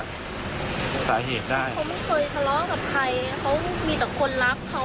เขาไม่เคยทะเลาะกับใครเขามีแต่คนรักเขา